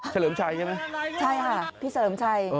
เฉลิมชัยใช่ไหมพี่เฉลิมชัยใช่ค่ะพี่เฉลิมชัย